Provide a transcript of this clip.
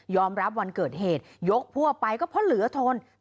รับวันเกิดเหตุยกพวกไปก็เพราะเหลือทน